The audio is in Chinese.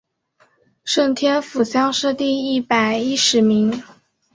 顺天府乡试第一百十一名。